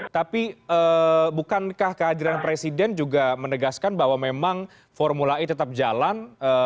tapi bukankah kehadiran presiden juga menegaskan bahwa memang formula e tetap jalan